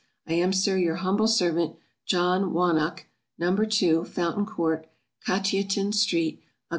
I am, SIR, your humble servant, JOHN WANNOCK. No. 2, Fountain court, Cateaton street, Oct.